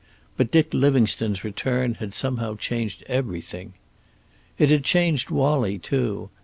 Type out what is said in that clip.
But Dick Livingstone's return had somehow changed everything. It had changed Wallie, too.